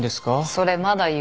それまだ言う？